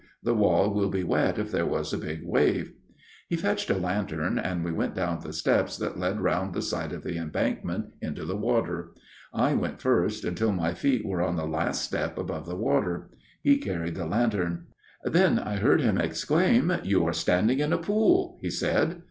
The wall will be wet if there was a big wave/ " He fetched a lantern, and we went down the steps that led round the side of the embankment into the water. I went first, until my feet were on the last step above the water. He carried the lantern. " Then I heard him exclaim :"' You are standing in a pool/ he said.